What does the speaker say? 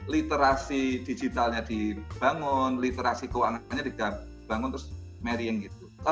literasi digitalnya dibangun literasi keuangannya dibangun terus marian gitu